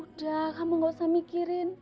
udah kamu gak usah mikirin